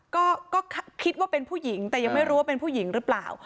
ก็คิดว่าเป็นผู้หญิงแต่ยังไม่รู้ว่าเป็นผู้หญิงหรือเปล่า